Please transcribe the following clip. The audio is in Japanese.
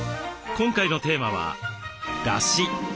今回のテーマは「だし」。